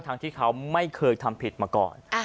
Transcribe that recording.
ที่เขาไม่เคยทำผิดมาก่อน